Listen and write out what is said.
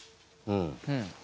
うん。